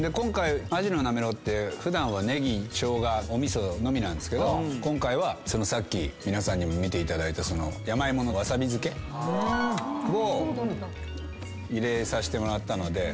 アジのなめろうって普段はネギ生姜お味噌のみなんですけど今回はさっき皆さんにも見ていただいた山芋のワサビ漬けを入れさせてもらったので。